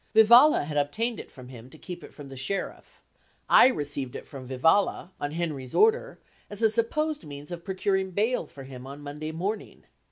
Vivalla had obtained it from him to keep it from the sheriff; I received it from Vivalla, on Henry's order, as a supposed means of procuring bail for him on Monday morning.